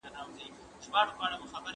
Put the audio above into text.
تدریسي نصاب بې پوښتني نه منل کیږي.